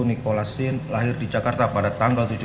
nikola sin lahir di jakarta pada tanggal